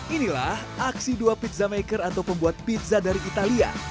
inilah aksi dua pizza maker atau pembuat pizza dari italia